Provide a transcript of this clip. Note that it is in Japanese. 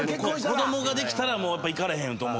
子供ができたらもう行かれへんと思う。